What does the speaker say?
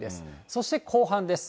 そして後半です。